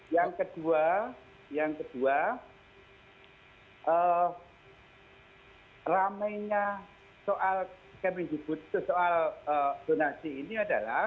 yang kedua yang kedua rame nya soal kemendikbud soal zonasi ini adalah